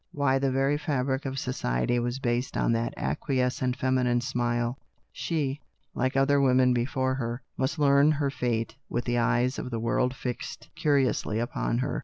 Why, the very fabric ; of society was based on that acquiescent fem inine smile. She, like other women before \ her, must learn her fate with the eyes of the \ world fixed curiously upon her.